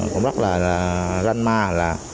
cũng rất là ranh ma là